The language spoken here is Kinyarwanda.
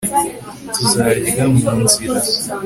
Tuzarya mu nzira